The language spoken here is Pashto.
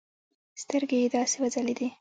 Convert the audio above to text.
سترگې يې داسې وځلېدې.